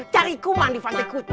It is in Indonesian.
cari kuman di pantai kuta